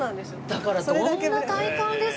だからどんな体幹ですか？